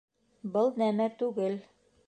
— Был нәмә түгел.